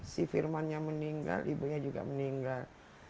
si firmannya meninggal ibunya juga meninggal